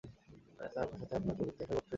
আমার স্যার আপনার সাথে দেখা করতে চান।